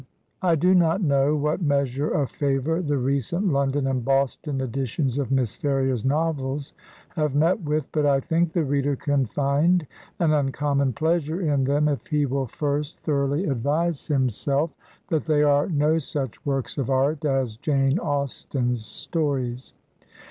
I do not know what measure of favor the recent Lon don and Boston editions of Miss Ferrier's novels have met with; but I think the reader can find an uncommon pleasure in them if he will first thoroughly advise him 79 Digitized by VjOOQIC HEROINES OF FICTION self that they are no such works of art as Jane Austen's stories.